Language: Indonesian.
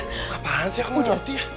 kapan sih aku nggak ngerti ya